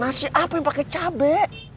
masih apa yang pakai cabai